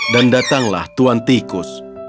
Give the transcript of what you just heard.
dan datanglah tuan tikus